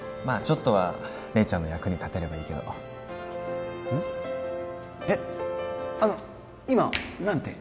まあちょっとは姉ちゃんの役に立てればいいけどうん？